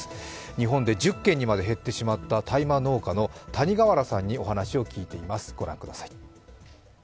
日本で１０件にまで減ってしまった大麻農家の谷川原さんにお話を聞いています、ご覧ください。